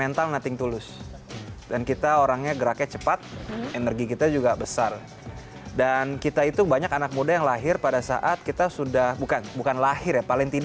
berita terkini dari kpum